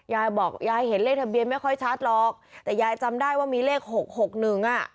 ยายบอกยายเห็นเลขทะเบียนไม่ค่อยชัดหรอกแต่ยายจำได้ว่ามีเลขหกหกหนึ่งอ่ะ